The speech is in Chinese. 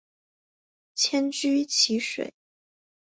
迁居蕲水。